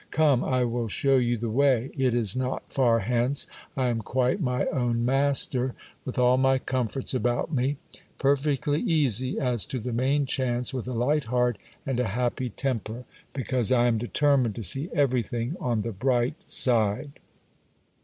Come, I will shew you the way ; it is not far hence. I am quite my own master, with all my comforts about me ; perfectly easy as to the main chance, with a light heart and a happy temper ; because I am determined to see everything on the bright side.